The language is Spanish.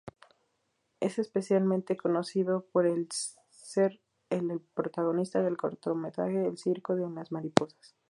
Es especialmente conocido por ser el protagonista del cortometraje "El circo de las mariposas".